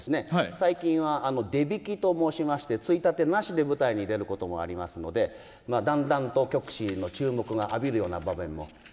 最近は出弾きと申しましてついたてなしで舞台に出ることもありますのでだんだんと曲師の注目が浴びるような場面も多くなってきてますので。